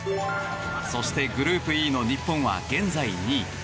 そして、グループＥの日本は現在、２位。